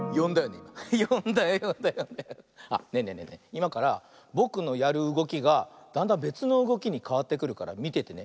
いまからぼくのやるうごきがだんだんべつのうごきにかわってくるからみててね。